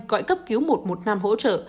gọi cấp cứu một trăm một mươi năm hỗ trợ